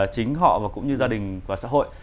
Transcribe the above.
chính họ và cũng như gia đình và xã hội